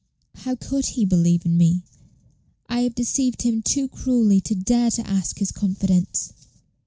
How could he believe in me? I have deceived him too cruelly to dare to ask his confidence."